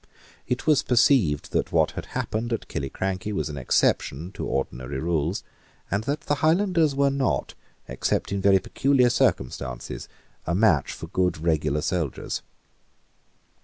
It was perceived that what had happened at Killiecrankie was an exception to ordinary rules, and that the Highlanders were not, except in very peculiar circumstances, a match for good regular soldiers.